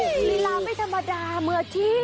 โอ้ลีลาไม่ธรรมดาเมื่อที่